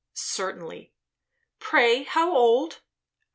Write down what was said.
"Certainly." "Pray, how old?"